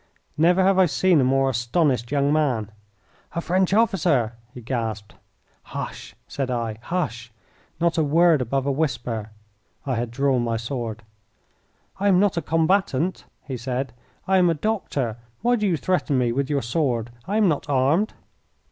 Never have I seen a more astonished young man. "A French officer!" he gasped. "Hush!" said I, "hush! Not a word above a whisper." I had drawn my sword. "I am not a combatant," he said; "I am a doctor. Why do you threaten me with your sword? I am not armed."